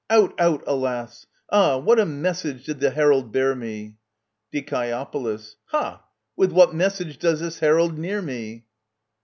Out, out, alas ! Ah ! what a message did the herald bear me ! Die. Ha ! with what message does this herald near me